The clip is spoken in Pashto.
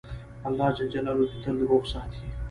الله ج دي تل روغ ساتی